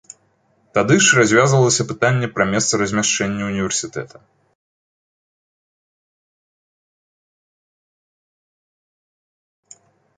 Тады ж развязвалася пытанне пра месца размяшчэння ўніверсітэта.